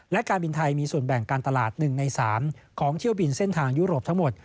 และการบินไทยมีส่วนแบ่งการตลาด๑ใน๓ของเที่ยวบินเส้นทางยุโรปทั้งหมด